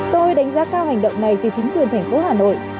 tôi đánh giá cao hành động này từ chính quyền thành phố hà nội